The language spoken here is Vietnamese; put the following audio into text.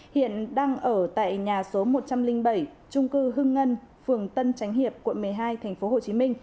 hiện đang ở tại nhà số một trăm linh bảy trung cư hưng ngân phường tân chánh hiệp quận một mươi hai tp hcm